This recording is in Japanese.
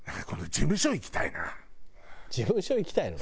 事務所行きたいの？